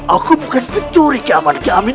aku bukan mencuri kiaman kiamin